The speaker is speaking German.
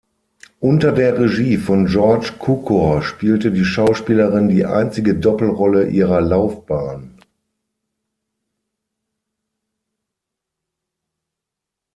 Unter der Regie von George Cukor spielte die Schauspielerin die einzige Doppelrolle ihrer Laufbahn.